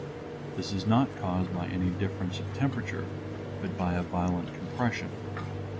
This is not caused by any difference of temperature, but by a violent compression.